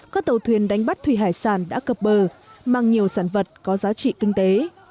các tàu thuyền đánh bắt thủy hải sản đã cập bờ mang nhiều sản vật có giá trị kinh tế